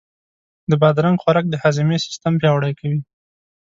د بادرنګ خوراک د هاضمې سیستم پیاوړی کوي.